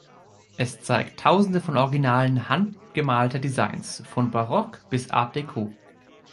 Es zeigt Tausende von Originalen handgemalter Designs von Barock bis Art Deco.